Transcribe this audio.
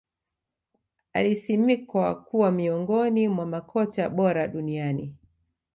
Alisimikwa kuwa miongoni mwa makocha bora duniani